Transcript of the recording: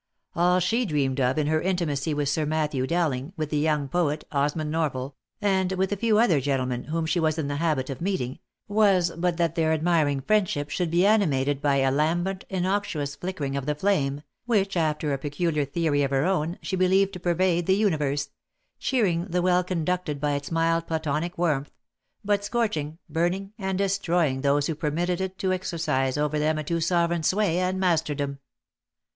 All she dreamed of in her intimacy with Sir Matthew Dowling, with the young poet, Osmund Norval, and with a few other gentlemen whom she was in the habit of meeting, was but that their admiring friendship should be animated by a lambent, innoxious flickering of the flame, which, after a peculiar theory of her own, she believed to pervade the universe, cheering the well conducted by its mild platonic warmth, but scorching, burning, and destroying those who permitted it to exercise over them a too sovereign sway and masterdom.